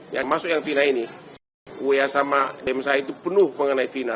yang masuk yang vina ini waya sama demsah itu penuh mengenai vina